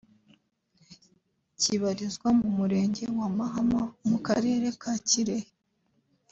kibarizwa mu murenge wa Mahama mu karere ka Kirehe